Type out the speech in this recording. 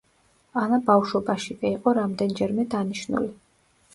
ანა ბავშვობაშივე იყო რამდენჯერმე დანიშნული.